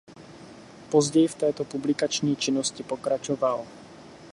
Později v této publikační činnosti pokračoval.